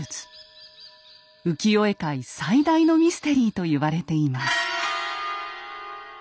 浮世絵界最大のミステリーと言われています。